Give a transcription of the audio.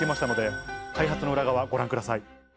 開発の裏側ご覧ください。